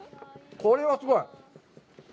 これはすごい！